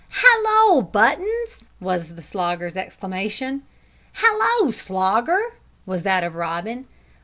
"Hallo, Buttons!" was the Slogger's exclamation. "Hallo, Slogger!" was that of Robin.